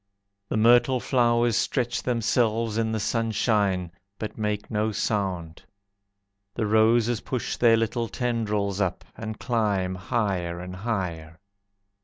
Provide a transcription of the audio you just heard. The myrtle flowers stretch themselves in the sunshine, But make no sound. The roses push their little tendrils up, And climb higher and higher.